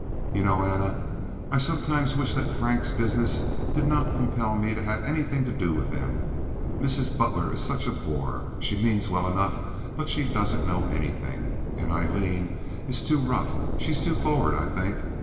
"You know, Anna, I sometimes wish that Frank's business did not compel me to have anything to do with them. Mrs. Butler is such a bore. She means well enough, but she doesn't know anything. And Aileen is too rough. She's too forward, I think.